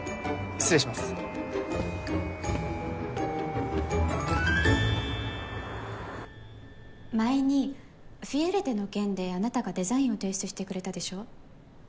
失礼します前にフィエルテの件であなたがデザインを提出してくれたでしょ？